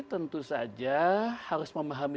tentu saja harus memahami